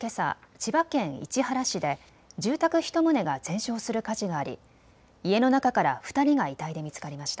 千葉県市原市で住宅１棟が全焼する火事があり家の中から２人が遺体で見つかりました。